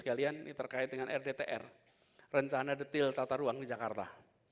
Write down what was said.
sekalian ini terkait dengan rdtr rencana detail tata ruang di jakarta